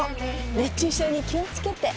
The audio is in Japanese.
熱中症に気をつけて